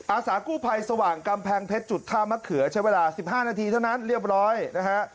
อาสากู้ภัยสว่างกำแพงเพชรจุดท่ามะเขือใช้เวลา๑๕นาทีเท่านั้นเรียบร้อยนะฮะ